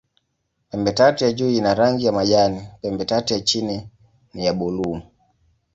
Pembetatu ya juu ina rangi ya majani, pembetatu ya chini ni ya buluu.